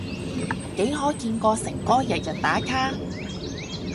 幾可見過誠哥日日打卡？